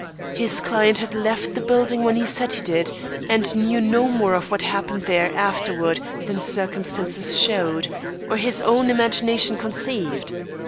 His client had left the building when he said he did, and knew no more of what happened there afterward than circumstances showed, or his own imagination conceived.